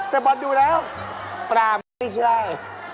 แต่บอลดูแล้วปลาไม่ได้